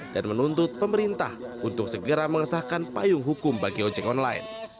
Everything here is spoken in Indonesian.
dan menuntut pemerintah untuk segera mengesahkan payung hukum bagi ojek online